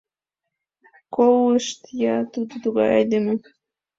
Колышт-я, тудо тугай айдеме.